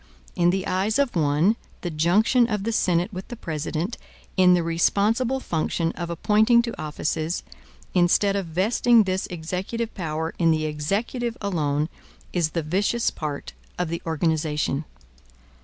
In the eyes of one the junction of the Senate with the President in the responsible function of appointing to offices, instead of vesting this executive power in the Executive alone, is the vicious part of the organization.